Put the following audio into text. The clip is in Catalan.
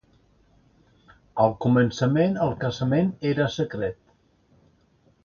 Al començament, el casament era secret.